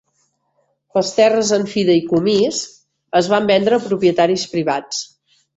Les terres en fideïcomís es van vendre a propietaris privats.